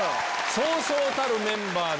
そうそうたるメンバーで。